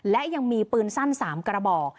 และยังมีปืนสั้น๓กระบอก